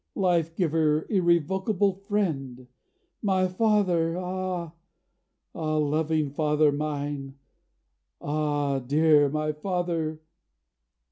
Life giver, irrecoverable friend, My father! ah, ah, loving father mine, Ah, dear my father!...